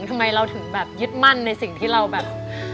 ทำไมเราถึงแบบยึดมั่นในสิ่งที่เราแบบ